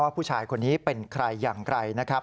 ผู้ชายคนนี้เป็นใครอย่างไรนะครับ